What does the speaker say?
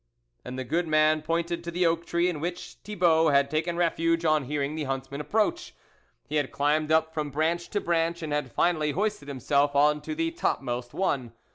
And the good man pointed to the oak tree in which Thibault had taken refuge on hearing the huntsmen approach. He had climbed up from branch to branch and had finally hoisted himself on to the topmost one.